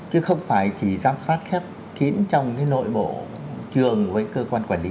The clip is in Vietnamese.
chứ không phải chỉ giám sát khép kín trong cái nội bộ trường với cơ quan quản lý